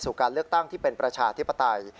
การเลือกตั้งที่เป็นประชาธิปไตย